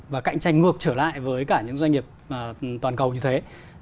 và cạnh tranh ngược trở lại với cả những doanh nghiệp toàn cầu như thế